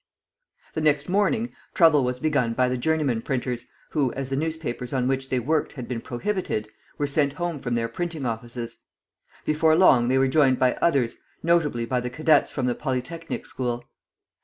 The next morning trouble was begun by the journeymen printers, who, as the newspapers on which they worked had been prohibited, were sent home from their printing offices. Before long they were joined by others, notably by the cadets from the Polytechnic School.